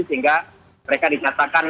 sehingga mereka disatakan